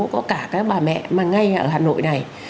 có cả các bà mẹ mà ngay ở hà nội này